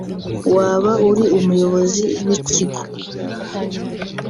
waba uri umuyobozi w’ikigo